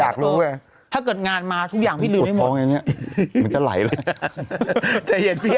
อยากรู้ค่ะถ้าเกิดงานมาทุกอย่างพี่ลืมไว้หมด